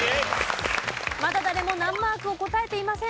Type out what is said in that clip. まだ誰も難マークを答えていません。